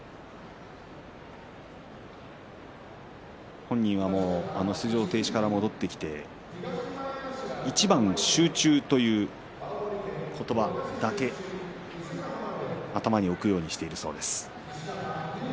本人は、出場停止から戻ってきて一番集中という言葉だけ頭に置くようにしているそうです。